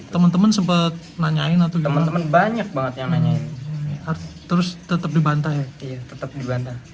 temen temen sempet nanyain atau temen temen banyak banget yang nanyain terus tetap dibantah tetap dibantah